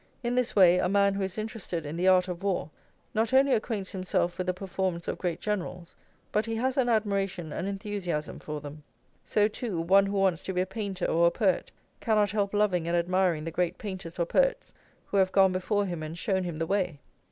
In this way a man who is interested in the art of war not only acquaints himself with the performance of great generals, but he has an admiration and enthusiasm for them. So, too, one who wants to be a painter or a poet cannot help loving and admiring the great painters or poets who have gone before him and shown him the way.